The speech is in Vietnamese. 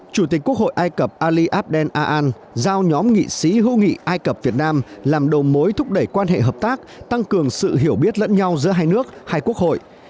chủ tịch quốc hội ai cập ali abdel aan giao nhóm nghị sĩ hữu nghị ai cập việt nam làm đầu mối thúc đẩy quan hệ hợp tác tăng cường sự hiểu biết lẫn nhau giữa hai nước hai quốc hội